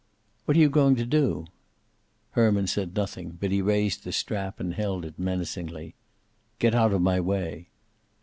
"What are you going to do?" Herman said nothing, but he raised the strap and held it menacingly. "Get out of my way."